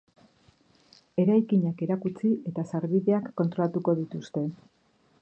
Eraikinak erakutsi eta sarbideak kontrolatuko dituzte.